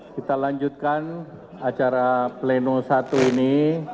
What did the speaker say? kita lanjutkan acara pleno satu ini